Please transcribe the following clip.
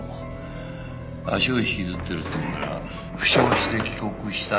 足を引きずってるっていうなら負傷して帰国した傭兵上がりか。